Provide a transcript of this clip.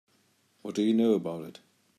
What do you know about it?